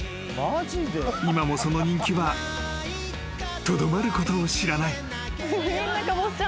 ［今もその人気はとどまることを知らない］